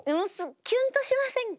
キュンとしませんか？